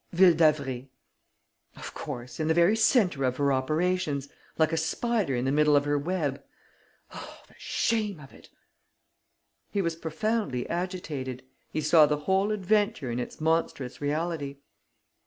"Ville d'Avray." "Of course! In the very center of her operations ... like a spider in the middle of her web! Oh, the shame of it!" He was profoundly agitated. He saw the whole adventure in its monstrous reality.